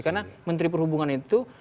karena menteri perhubungan itu